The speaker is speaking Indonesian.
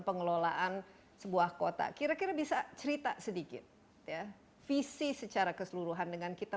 pengelolaan sebuah kota kira kira bisa cerita sedikit ya visi secara keseluruhan dengan kita